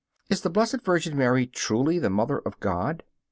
Is the Blessed Virgin Mary truly the Mother of God?